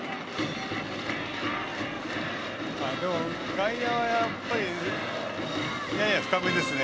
外野はやっぱりやや深めですね。